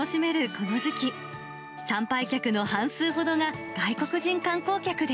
この時期、参拝客の半数ほどが外国人観光客で。